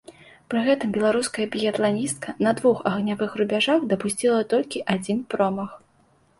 Пры гэтым беларуская біятланістка на двух агнявых рубяжах дапусціла толькі адзін промах.